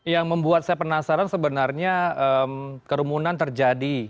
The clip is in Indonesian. yang membuat saya penasaran sebenarnya kerumunan terjadi